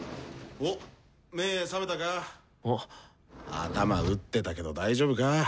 頭打ってたけど大丈夫か？